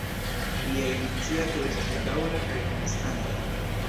Lia iniciato estis daŭra kaj konstanta.